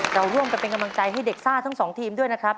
เราร่วมกันเป็นกำลังใจให้เด็กซ่าทั้งสองทีมด้วยนะครับ